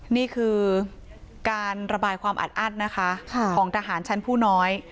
นี่คือการระบายความอัดอั้นนะคะของทหารชั้นผู้น้อย